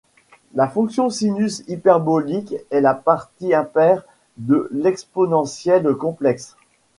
La fonction sinus hyperbolique est la partie impaire de l'exponentielle complexe.